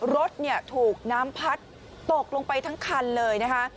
รถถูกน้ำพัดตกลงไปทั้งคันเลยนะคะ